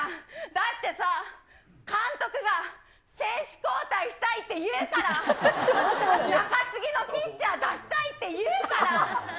だってさ、監督が選手交代したいっていうから、中継ぎのピッチャー出したいって言うから。